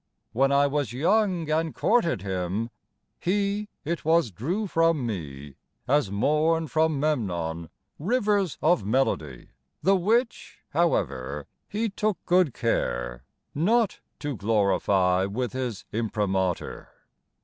When I was young and courted him He it was drew from me (As morn from Memnon) Rivers of melody; The which, however, He took good care Not to glorify with his imprimatur.